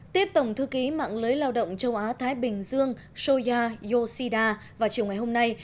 tiếp tổng thư ký mạng lưới lao động châu á thái bình dương soya yoshida vào chiều ngày hôm nay